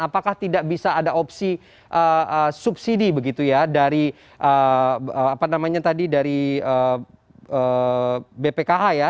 apakah tidak bisa ada opsi subsidi begitu ya dari bpkh ya